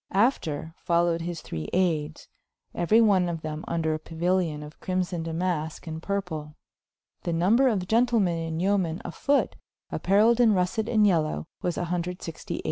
After folowed his three aydes, euery of them vnder a Pauilion of Crymosyn Damaske & purple. The nomber of Gentlemen and yomen a fote, appareiled in russet and yealow was clxviii.